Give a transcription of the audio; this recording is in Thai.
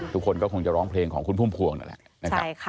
ทุกคนก็คงจะร้องเพลงของคุณพุ่มพวงนั่นแหละนะครับ